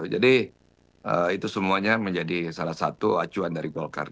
jadi itu semuanya menjadi salah satu acuan dari golkar